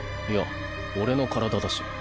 いや俺の体だし。